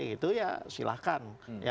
itu ya silahkan